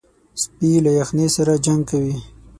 سپي له یخنۍ سره جنګ کوي.